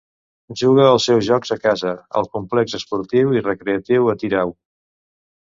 Juga als seus jocs a casa al "Complex Esportiu i Recreatiu Atyrau".